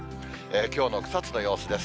きょうの草津の様子です。